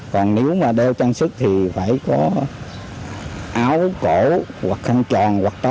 còn nếu mà đeo trang sức thì phải có áo cổ hoặc khăn tròn hoặc to